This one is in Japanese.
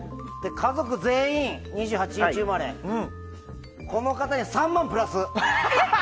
家族全員２８日生まれこの方に３万プラス。